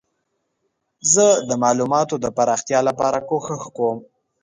زه د معلوماتو د پراختیا لپاره کوښښ کوم.